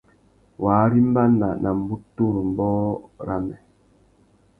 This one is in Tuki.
Wa arimbana nà mbutu râ ambōh râmê.